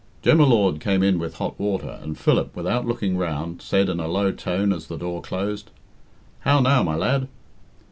Jem y Lord came in with hot water, and Philip, without looking round, said in a low tone as the door closed, "How now, my lad?"